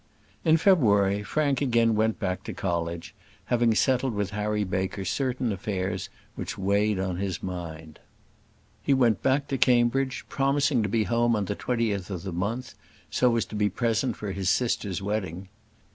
In February, Frank again went back to college; having settled with Harry Baker certain affairs which weighed on his mind. He went back to Cambridge, promising to be home on the 20th of the month, so as to be present at his sister's wedding.